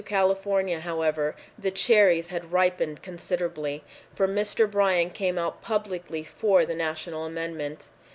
California, however, the cherries had ripened considerably, for Mr. Bryan came out publicly for the national amendment.